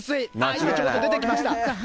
今、ちょうど出てきました。